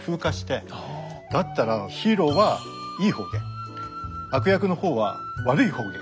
だったらヒーローはいい方言悪役の方は悪い方言。